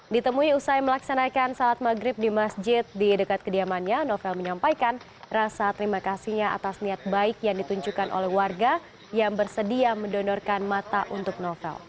ditemui usai melaksanakan salat maghrib di masjid di dekat kediamannya novel menyampaikan rasa terima kasihnya atas niat baik yang ditunjukkan oleh warga yang bersedia mendonorkan mata untuk novel